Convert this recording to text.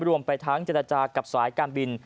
รวมไปทั้งเจรจากับสายการบิน